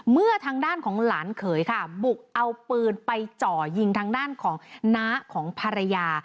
เมื่อทางด้านของหลานเขยค่ะบุกเอาปืนไปเจาะยิงทางด้านของน้าของภรรยา